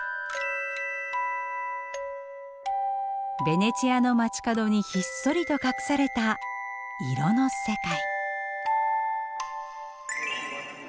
ベネチアの街角にひっそりと隠された色の世界。